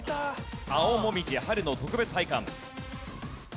青もみじ春の特別拝観。